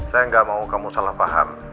saya nggak mau kamu salah paham